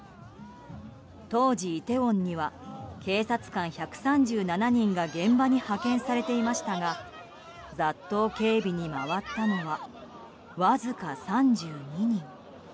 当時、イテウォンには警察官１３７人が現場に派遣されていましたが雑踏警備に回ったのはわずか３２人。